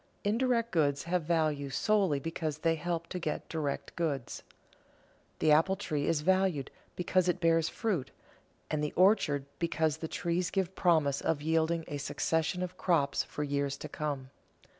_ Indirect goods have value solely because they help to get direct goods. The apple tree is valued because it bears fruit, and the orchard because the trees give promise of yielding a succession of crops for years to come.